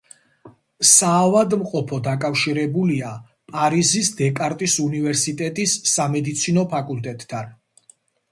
საავადმყოფო დაკავშირებულია პარიზის დეკარტის უნივერსიტეტის სამედიცინო ფაკულტეტთან.